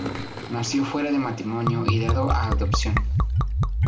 Nació fuera de matrimonio y dado a adopción.